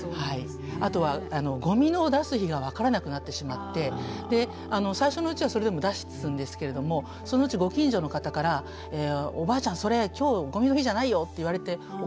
あとはゴミの出す日が分からなくなってしまって最初のうちはそれでも出すんですけれどもそのうちご近所の方から「おばあちゃんそれ今日ゴミの日じゃないよ」って言われて怒られると